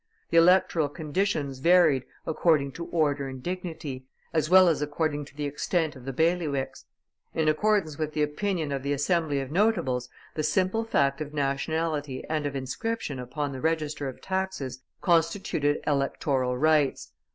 The electoral conditions varied according to order and dignity, as well as according to the extent of the bailiwicks; in accordance with the opinion of the Assembly of notables, the simple fact of nationality and of inscription upon the register of taxes constituted electoral rights.